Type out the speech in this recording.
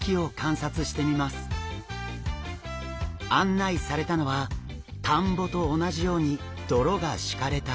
案内されたのは田んぼと同じように泥が敷かれた水槽。